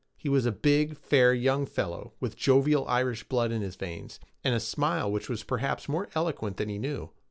He was a big, fair young fellow, with jovial Irish blood in his veins, and a smile which was perhaps more eloquent than he knew.